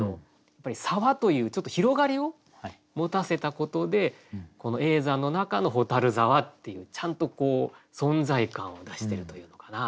やっぱり「沢」というちょっと広がりを持たせたことで叡山の中の蛍沢っていうちゃんと存在感を出しているというのかな。